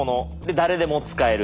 誰でも使える。